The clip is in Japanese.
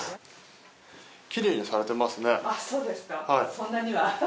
そんなには。